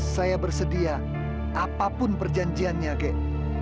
saya bersedia apapun perjanjiannya gen